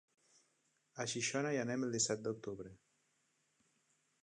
A Xixona hi anem el disset d'octubre.